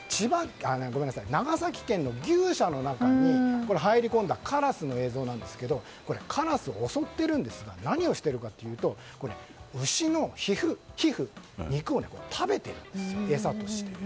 長崎県の牛舎の中に入り込んだカラスの映像なんですけどカラス、襲ってるんですが何をしているかというと牛の皮膚、肉を食べているんですよ、餌として。